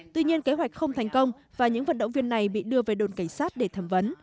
tuy nhiên kế hoạch không thành công và những vận động viên này bị đưa về đồn cảnh sát để thẩm vấn